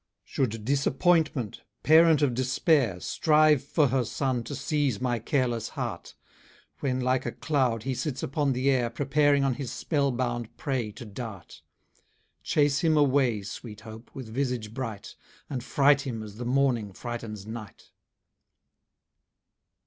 Should Disappointment, parent of Despair, Strive for her son to seize my careless heart; When, like a cloud, he sits upon the air, Preparing on his spell bound prey to dart: Chace him away, sweet Hope, with visage bright, And fright him as the morning frightens night!